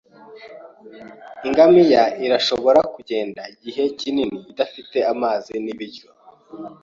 Ingamiya irashobora kugenda igihe kinini idafite amazi nibiryo.